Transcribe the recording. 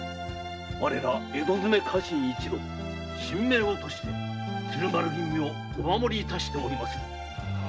我ら江戸詰め家臣一同身命を賭して鶴丸君をお守り致しておりまする。